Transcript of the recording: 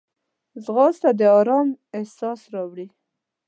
ځغاسته د آرام احساس راوړي